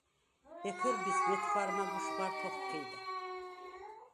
ბექჷრბის მეთხვა̈რ მა̈გ უშხვა̈რთ’ოხჴიდა.